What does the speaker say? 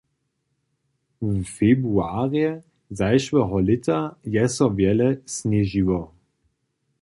W februarje zašłeho lěta je so wjele sněžiło.